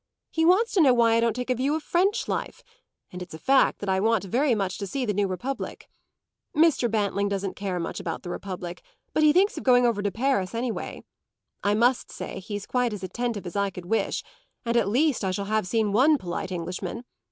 He wants to know why I don't take a view of French life; and it's a fact that I want very much to see the new Republic. Mr. Bantling doesn't care much about the Republic, but he thinks of going over to Paris anyway. I must say he's quite as attentive as I could wish, and at least I shall have seen one polite Englishman.